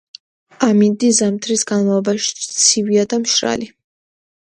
ამინდი ზამთრის განმავლობაში ცივია და მშრალი.